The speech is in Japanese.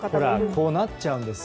こうなっちゃうんです。